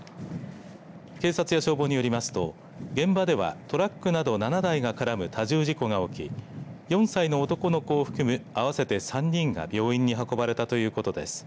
警察や消防によりますと現場ではトラックなど７台が絡む多重事故が起き４歳の男の子を含むあわせて３人が病院に運ばれたということです。